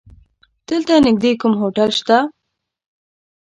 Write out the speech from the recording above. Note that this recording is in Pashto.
دلته نيږدې کوم هوټل شته؟